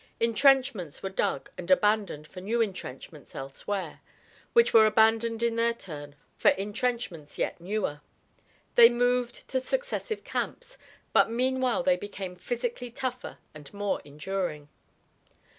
Intrenchments were dug and abandoned for new intrenchments elsewhere, which were abandoned in their turn for intrenchments yet newer. They moved to successive camps, but meanwhile they became physically tougher and more enduring.